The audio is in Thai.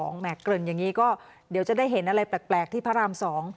แหม่เกริ่นอย่างนี้ก็เดี๋ยวจะได้เห็นอะไรแปลกที่พระราม๒